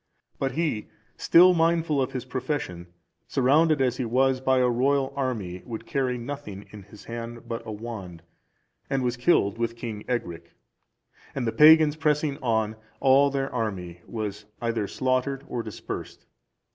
But he, still mindful of his profession, surrounded, as he was, by a royal army, would carry nothing in his hand but a wand, and was killed with King Ecgric; and the pagans pressing on, all their army was either slaughtered or dispersed.